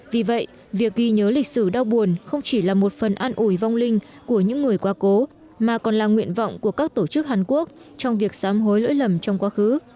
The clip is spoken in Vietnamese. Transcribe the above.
vì vậy việc ghi nhớ lịch sử đau buồn không chỉ là một phần an ủi vong linh của những người qua cố mà còn là nguyện vọng của các tổ chức hàn quốc trong việc xám hối lỗi lầm trong quá khứ